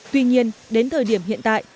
tuy nhiên đến thời điểm hiện tại